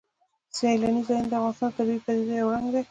سیلانی ځایونه د افغانستان د طبیعي پدیدو یو رنګ دی.